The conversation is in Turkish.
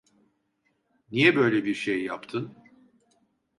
Niye böyle bir şey yaptın?